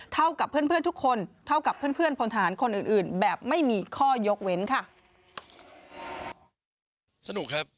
เท่ากับเพื่อนทุกคนเท่ากับเพื่อนพลทหารคนอื่นแบบไม่มีข้อยกเว้นค่ะ